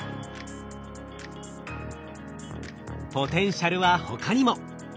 ポテンシャルは他にも。